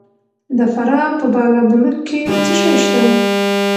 د فراه په بالابلوک کې څه شی شته؟